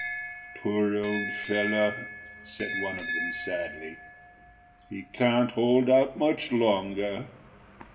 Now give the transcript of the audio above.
[Pg 570] "Poor old fellow!" said one of them, sadly. "He can't hold out much longer."